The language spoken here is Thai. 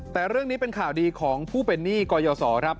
แต่เรื่องนี้เป็นข่าวดีของผู้เป็นหนี้กรยศรครับ